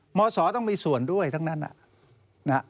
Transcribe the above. ศต้องมีส่วนด้วยทั้งนั้น